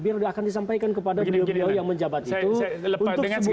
biar sudah akan disampaikan kepada beliau beliau yang menjabat itu